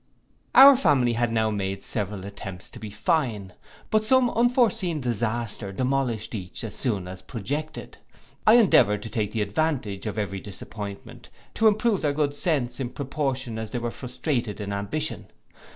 Our family had now made several attempts to be fine; but some unforeseen disaster demolished each as soon as projected. I endeavoured to take the advantage of every disappointment, to improve their good sense in proportion as they were frustrated in ambition.